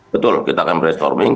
betul kita akan brainstorming